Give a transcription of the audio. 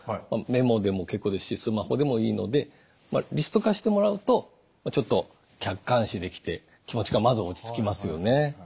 メモでも結構ですしスマホでもいいのでリスト化してもらうとちょっと客観視できて気持ちがまず落ち着きますよね。